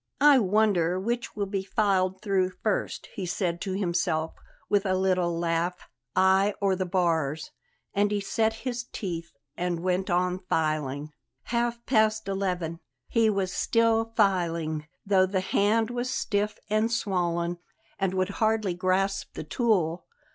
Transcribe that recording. "I wonder which will be filed through first," he said to himself with a little laugh; "I or the bars?" And he set his teeth and went on filing. Half past eleven. He was still filing, though the hand was stiff and swollen and would hardly grasp the tool.